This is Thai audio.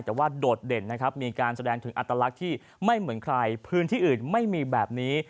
แต่ว่าโดดเด่นนะครับมีการแสดงถึงอัตลักษณ์ที่ไม่เหมือนใครพื้นที่อื่นไม่มีแบบนี้